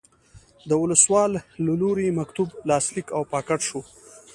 د ولسوال له لوري مکتوب لاسلیک او پاکټ شو.